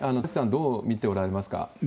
田崎さん、どう見ておられますか？